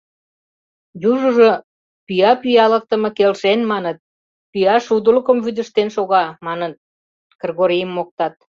Южыжо «Пӱя пӱялыктыме келшен» маныт, «Пӱя шудылыкым вӱдыжтен шога» маныт, Кыргорийым моктат.